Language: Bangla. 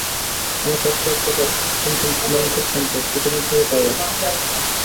আমার স্বাস্থ্য একপ্রকার, কিন্তু মন খুব শান্ত, কিছুদিন থেকে তাই আছে।